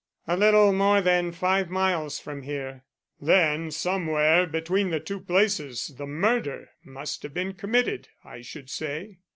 "A little more than five miles from here." "Then somewhere between the two places the murder must have been committed, I should say."